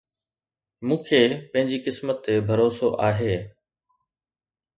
مون کي پنهنجي قسمت تي ڀروسو آهي